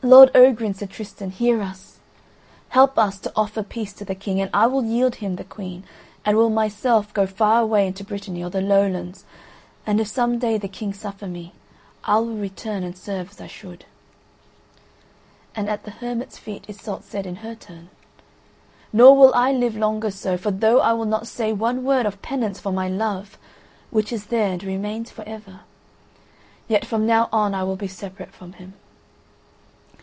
"Lord Ogrin," said Tristan, "hear us. Help us to offer peace to the King, and I will yield him the Queen, and will myself go far away into Brittany or the Lowlands, and if some day the King suffer me, I will return and serve as I should." And at the hermit's feet Iseult said in her turn: "Nor will I live longer so, for though I will not say one word of penance for my love, which is there and remains forever, yet from now on I will be separate from him."